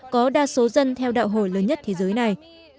có đa số dân theo đạo hồi lớn nhất thế giới này